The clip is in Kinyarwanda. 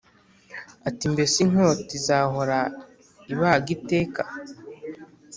ati “Mbese inkota izahora ibaga iteka?